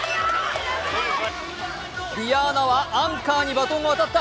ディアーナはアンカーにバトンが渡った。